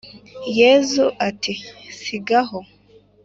Yezu ati sigaho